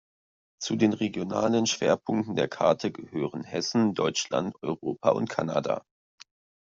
Zu den regionalen Schwerpunkten der Karten gehören Hessen, Deutschland, Europa und Kanada.